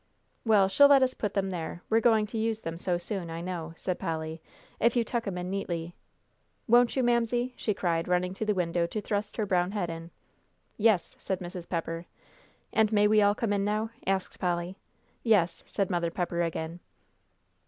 "Well, she'll let us put them there, we're going to use them so soon, I know," said Polly, "if you tuck 'em in neatly. Won't you, Mamsie?" she cried, running to the window to thrust her brown head in. "Yes," said Mrs. Pepper. "And may we all come in now?" asked Polly. "Yes," said Mother Pepper again.